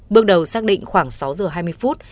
bước đầu xác định khoảng sáu giờ hai mươi phút